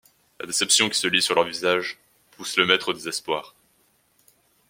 La déception qui se lit sur leurs visages pousse le maître au désespoir.